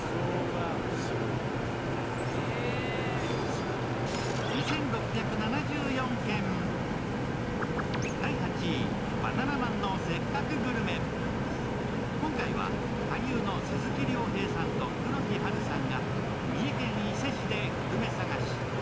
更に、専門家の意見は今回は俳優の鈴木亮平さんと黒木華さんが三重県伊勢市でグルメ探し。